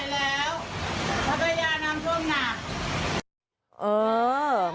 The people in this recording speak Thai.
ลุงโตขอเหนื่อยน้ำ